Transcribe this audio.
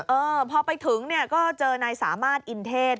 เออพอไปถึงเนี่ยก็เจอนายสามารถอินเทศ